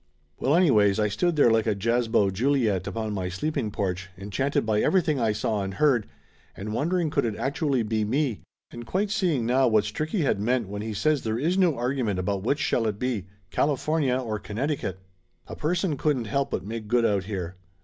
Well, anyways, I stood there like a jazbo Juliet upon my sleeping porch, enchanted by everything I saw and heard, and wondering could it actually be me, and quite seeing now what Stricky had meant when he says there is no argument about which shall it be Cali fornia or Connecticut? A person couldn't help but make good out here.